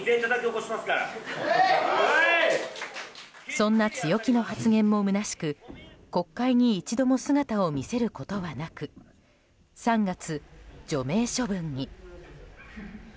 そんな強気の発言もむなしく国会に一度も姿を見せることはなく３月、除名処分に。